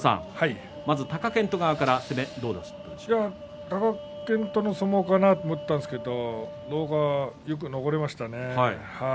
まず貴健斗側から貴健斗の相撲かなと思ったんですが狼雅がよく残りましたね。